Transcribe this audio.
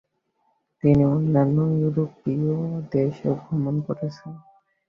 তিনি অন্যান্য ইউরোপীয় দেশেও ভ্রমণ করেছেন।